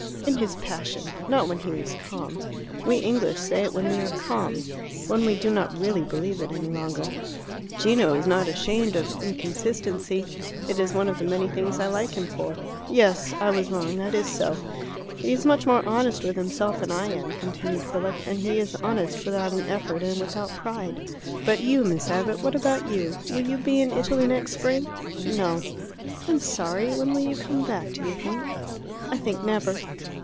"In his passion. Not when he was calm. We English say it when we are calm when we do not really believe it any longer. Gino is not ashamed of inconsistency. It is one of the many things I like him for." "Yes; I was wrong. That is so." "He's much more honest with himself than I am," continued Philip, "and he is honest without an effort and without pride. But you, Miss Abbott, what about you? Will you be in Italy next spring?" "No." "I'm sorry. When will you come back, do you think?" "I think never."